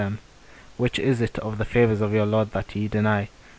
P: Which is it, of the favours of your Lord, that ye deny?